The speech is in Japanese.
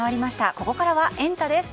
ここからはエンタ！です。